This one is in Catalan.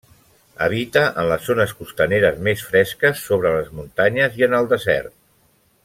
Habita en les zones costaneres més fresques, sobre les muntanyes i en el desert.